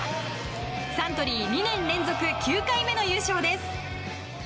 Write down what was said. サントリー２年連続９回目の優勝です。